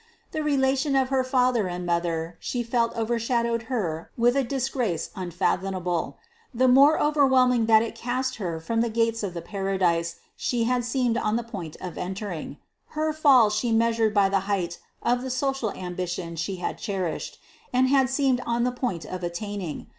The relation of her father and mother she felt overshadow her with a disgrace unfathomable the more overwhelming that it cast her from the gates of the Paradise she had seemed on the point of entering: her fall she measured by the height of the social ambition she had cherished, and had seemed on the point of attaining.